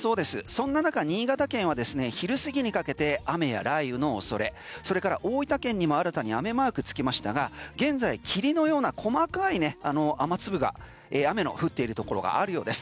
そんな中、新潟県は昼過ぎにかけて雨や雷雨のおそれそれから大分県にも新たに雨マークつきましたが現在霧のような細かい雨粒が雨の降っているところがあるようです。